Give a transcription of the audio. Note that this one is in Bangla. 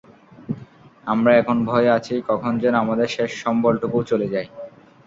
আমরা এখন ভয়ে আছি, কখন যেন আমাদের শেষ সম্বলটুকু চলে যায়।